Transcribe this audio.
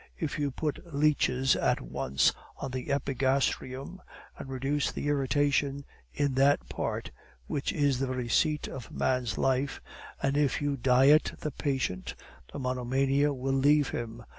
If you put leeches at once on the epigastrium, and reduce the irritation in that part, which is the very seat of man's life, and if you diet the patient, the monomania will leave him.